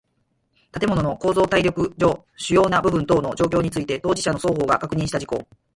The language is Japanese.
建物の構造耐力上主要な部分等の状況について当事者の双方が確認した事項